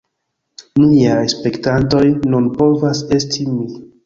Miaj spektantoj nun povas esti mi